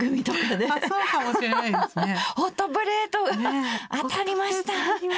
ねっ「ホットプレート当たりました！」。